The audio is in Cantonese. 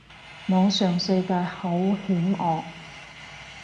網上世界好險惡